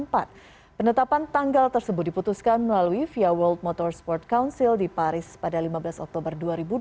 penetapan tanggal tersebut diputuskan melalui via world motorsport council di paris pada lima belas oktober dua ribu dua puluh